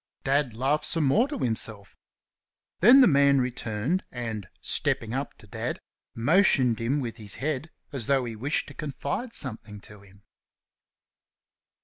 Dad laughed some more to himself. Then the man returned and, stepping up to Dad, motioned him with his head as though he wished to confide something to him.